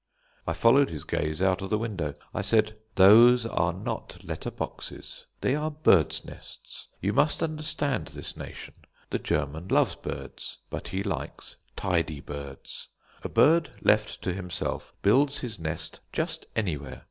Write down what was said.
I followed his gaze out of window. I said: "Those are not letter boxes, they are birds' nests. You must understand this nation. The German loves birds, but he likes tidy birds. A bird left to himself builds his nest just anywhere.